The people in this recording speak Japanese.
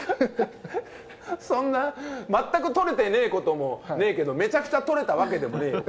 そんな、全く撮れてねぇこともねぇけど、めちゃくちゃ撮れたわけでもねぇよ。